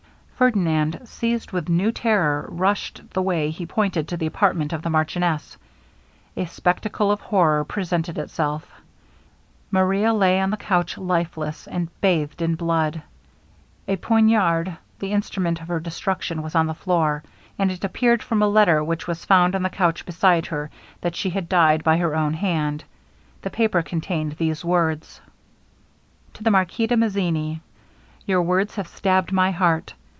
Ferdinand, seized with new terror, rushed the way he pointed to the apartment of the marchioness. A spectacle of horror presented itself. Maria lay on a couch lifeless, and bathed in blood. A poignard, the instrument of her destruction, was on the floor; and it appeared from a letter which was found on the couch beside her, that she had died by her own hand. The paper contained these words: TO THE MARQUIS DE MAZZINI Your words have stabbed my heart.